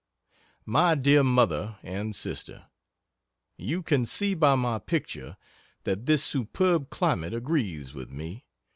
MY DEAR MOTHER AND SISTER, You can see by my picture that this superb climate agrees with me.